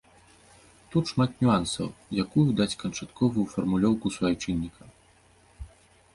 Тут шмат нюансаў, якую даць канчатковую фармулёўку суайчынніка.